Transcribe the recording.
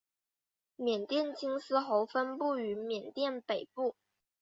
缅甸金丝猴分布于缅甸北部。